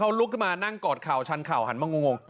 เขาลุกมานั่งกอดข่าวชันข่าวหันมางุ่ง